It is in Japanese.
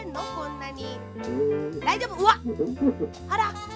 なに！？